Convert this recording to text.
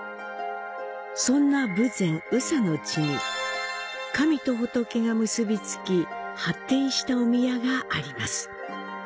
そんな豊前宇佐の地に神と仏が結びつき発展したお宮があります。